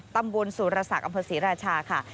ตำบลสุรศักดิ์อำเภอศรีราชาค่ะ